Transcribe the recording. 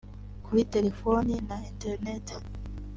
kuri telefoni na internet